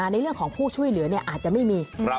ในเรื่องของผู้ช่วยเหลืออาจจะไม่มี